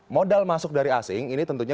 modal masuk dari asing ini tentunya